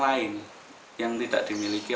lain yang tidak dimiliki